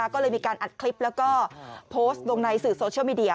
ก็เลยมีการอัดคลิปแล้วก็โพสต์ลงในสื่อโซเชียลมีเดีย